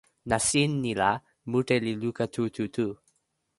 nasin ni la, mute li luka tu tu tu.